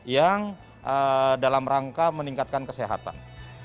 yang dalam rangka meningkatkan kesehatan